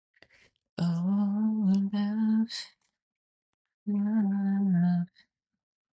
Cahill proved to be an imaginative, sensitive and skillful administrator.